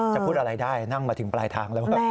พูดอะไรได้นั่งมาถึงปลายทางแล้ว